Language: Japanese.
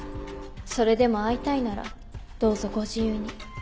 それでも会いたいならどうぞご自由に。